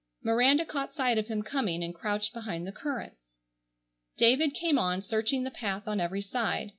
Miranda caught sight of him coming, and crouched behind the currants. David came on searching the path on every side.